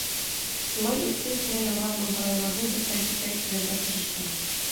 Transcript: Юлай өҫтө-өҫтөнә яуған был һорауҙарҙы бер тәртипкә теҙергә тырышты.